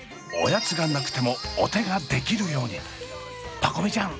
パコ美ちゃん